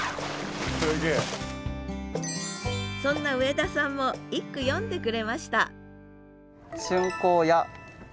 そんな上田さんも１句詠んでくれました